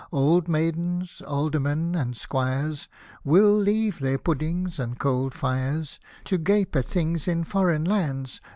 Old maidens, aldermen, and squires, Will leave their puddings and coal fires. To gape at things in foreign lands.